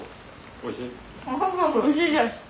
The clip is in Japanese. おいしいです。